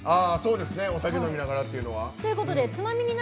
お酒飲みながらっていうのは。